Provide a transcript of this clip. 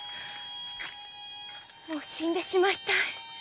もう死んでしまいたい。